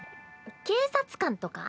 警察官とか？